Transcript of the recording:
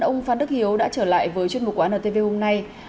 cảm ơn ông phan đức hiếu đã trở lại với chương trình của antv hôm nay